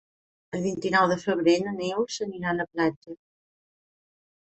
El vint-i-nou de febrer na Neus anirà a la platja.